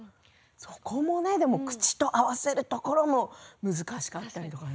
口と合わせるところも難しかったりとかね。